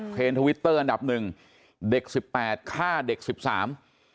ทวิตเตอร์อันดับหนึ่งเด็กสิบแปดฆ่าเด็กสิบสาม